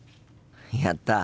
やった！